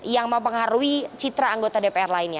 yang mempengaruhi citra anggota dpr lainnya